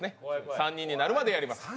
３人になるまでやります。